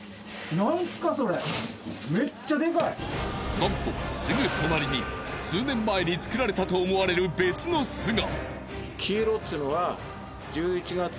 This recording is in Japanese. なんとすぐ隣に数年前に作られたと思われる別の巣が。